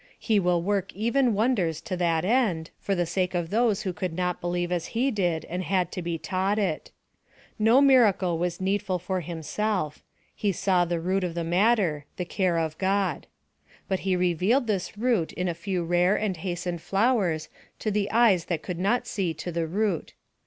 He will work even wonders to that end, for the sake of those who could not believe as he did and had to be taught it. No miracle was needful for himself: he saw the root of the matter the care of God. But he revealed this root in a few rare and hastened flowers to the eyes that could not see to the root.